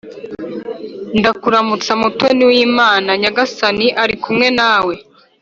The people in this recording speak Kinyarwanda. ndakuramutsa mutoni w’imana, nyagasani ari kumwe nawe